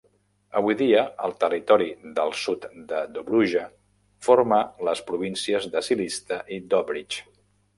Avui dia, el territori del sud de Dobruja forma les províncies de Silistra i Dobrich.